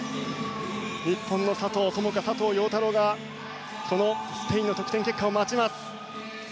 日本の佐藤友花・佐藤陽太郎がこのスペインの得点結果を待ちます。